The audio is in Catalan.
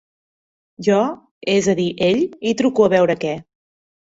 Jo, és a dir ell, hi truco a veure què.